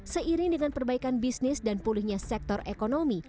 seiring dengan perbaikan bisnis dan pulihnya sektor ekonomi